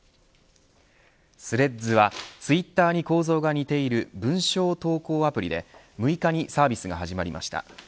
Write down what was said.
スレッズはツイッターに構造が似ている文章投稿アプリで６日にサービスが始まりました。